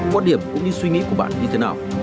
quan điểm cũng như suy nghĩ của bạn như thế nào